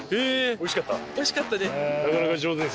おいしかったです。